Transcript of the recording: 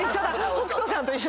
北斗さんと一緒。